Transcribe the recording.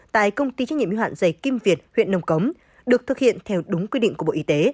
tại công ty trách nhiệm y hoạn dày kim việt huyện nông cống được thực hiện theo đúng quy định của bộ y tế